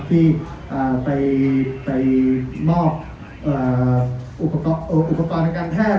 ที่ไปมอบอุปกรณ์การแพทย์